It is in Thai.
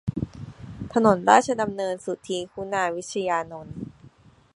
ถนนราชดำเนิน สุธี คุณาวิชยานนท์